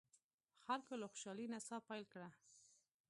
خلکو له خوشالۍ نڅا پیل کړه.